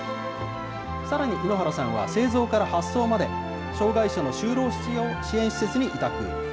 さらに猪原さんは、製造から発送まで、障害者の就労支援施設に委託。